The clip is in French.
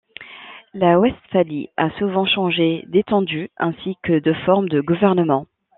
La Westphalie a souvent changé d'étendue, ainsi que de forme de gouvernement.